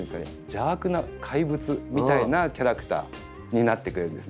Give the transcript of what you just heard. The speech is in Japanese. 邪悪な怪物みたいなキャラクターになってくれるんですね。